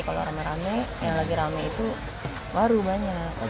kalau rame rame yang lagi rame itu baru banyak